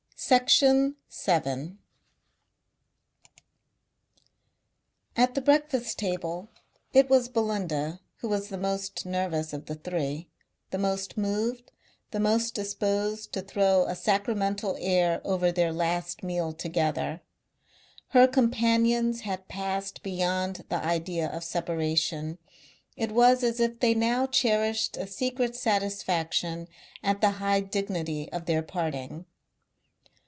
Section 7 At the breakfast table it was Belinda who was the most nervous of the three, the most moved, the most disposed to throw a sacramental air over their last meal together. Her companions had passed beyond the idea of separation; it was as if they now cherished a secret satisfaction at the high dignity of their parting.